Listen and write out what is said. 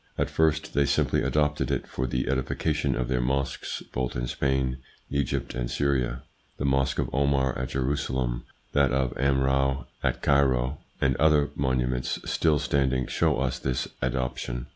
At first they simply adopted it for the edification of their mosques both in Spain, Egypt, and Syria. The mosque of Omar at Jeru ITS INFLUENCE ON THEIR EVOLUTION in salem, that of Amrou at Cairo, and other monuments still standing show us this adoption.